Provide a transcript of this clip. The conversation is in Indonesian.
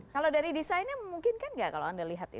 kalau dari desainnya memungkinkan nggak kalau anda lihat ya